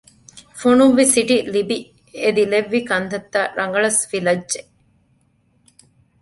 ފޮނުއްވި ސިޓި ލިބި އެދިލެއްވި ކަންތައްތައް ރަގަޅަސް ފިލައްޖެ